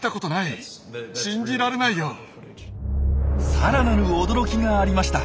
さらなる驚きがありました。